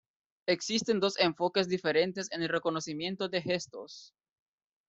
Existen dos enfoques diferentes en el reconocimiento de gestos:.